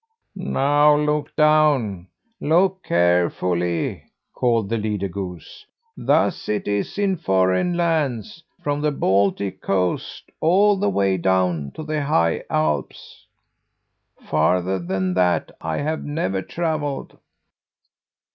"Now look down! Look carefully!" called the leader goose. "Thus it is in foreign lands, from the Baltic coast all the way down to the high Alps. Farther than that I have never travelled."